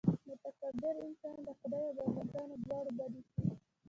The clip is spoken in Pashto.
متکبر انسان د خدای او بندګانو دواړو بد اېسي.